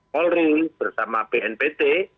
polri bersama bnpt